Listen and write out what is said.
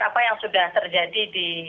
apa yang sudah terjadi di